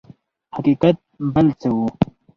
حقیقت بل څه و.